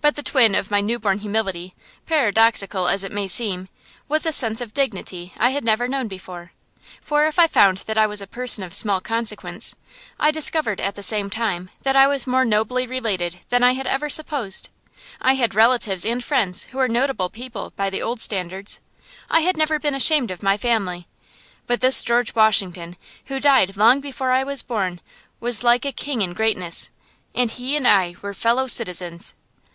But the twin of my new born humility, paradoxical as it may seem, was a sense of dignity I had never known before. For if I found that I was a person of small consequence, I discovered at the same time that I was more nobly related than I had ever supposed. I had relatives and friends who were notable people by the old standards, I had never been ashamed of my family, but this George Washington, who died long before I was born, was like a king in greatness, and he and I were Fellow Citizens.